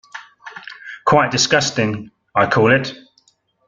Quite disgusting, I call it.